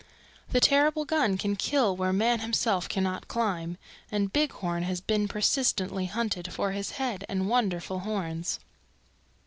The terrible gun can kill where man himself cannot climb, and Bighorn has been persistently hunted for his head and wonderful horns.